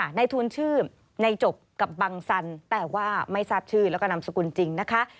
ในทุนชื่อในจบกับบังสันแต่ว่าไม่ทราบชื่อแล้วก็นามสกุลจริงนะคะ